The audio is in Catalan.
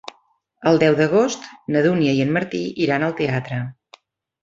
El deu d'agost na Dúnia i en Martí iran al teatre.